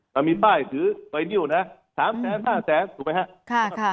มันมีป้ายถือไวนิวนะฮะสามแสนห้าแสนถูกไหมฮะค่ะค่ะ